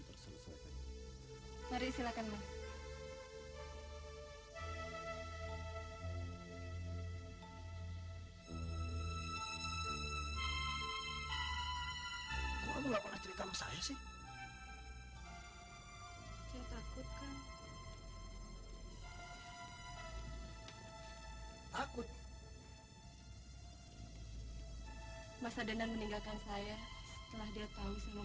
kamu telah menjalankan wajiban kamu sebagai seorang imam